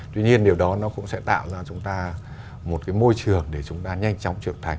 tuy nhiên điều đó nó cũng sẽ tạo ra chúng ta một cái môi trường để chúng ta nhanh chóng trưởng thành